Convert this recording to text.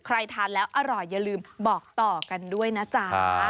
ทานแล้วอร่อยอย่าลืมบอกต่อกันด้วยนะจ๊ะ